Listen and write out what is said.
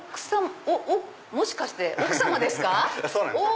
もしかして奥様ですか？